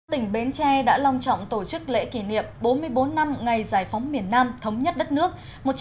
tỉnh bến tre đã long trọng tổ chức lễ kỷ niệm bốn mươi bốn năm ngày giải phóng miền nam thống nhất đất nước